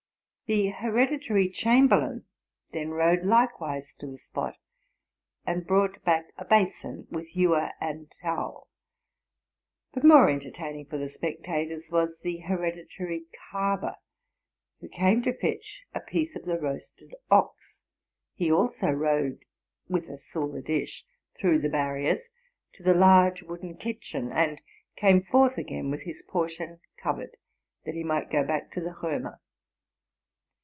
The hereditary chamberlain then rode likewise to the spot, and brought back a basin with ewer and towel. But more entertaining for the spectators was the hereditary carver, who came "to fetch a piece of the roasted ox. He also rode, with a silver dish, through the barriers, to the large wooden kitchen, and came forth again with his portion covered, that he might go back to the Romer.